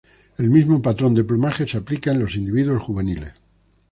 El mismo patrón de plumaje se aplica en los individuos juveniles.